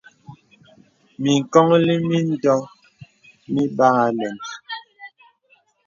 Mǐŋkɔnllī mǐndɔ mibāā alɛ̄n.